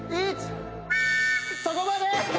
そこまで！